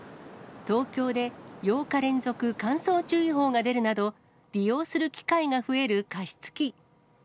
東京で８日連続乾燥注意報が出るなど、利用する機会が増える加湿器。